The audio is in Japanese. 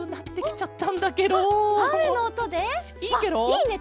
いいね！